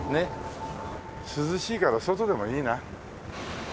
涼しいから外でもいいな。